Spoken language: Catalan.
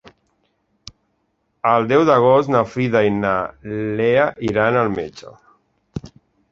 El deu d'agost na Frida i na Lea iran al metge.